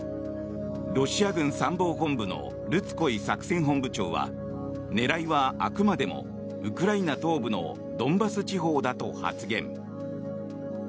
ロシア軍参謀本部のルツコイ作戦本部長は狙いはあくまでもウクライナ東部のドンバス地方だと発言。